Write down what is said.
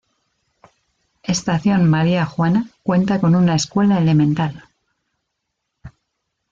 Estación María Juana cuenta con una escuela elemental.